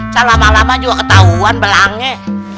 selama lama juga ketahuan belangnya